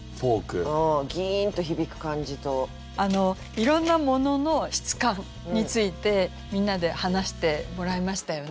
いろんな物の質感についてみんなで話してもらいましたよね。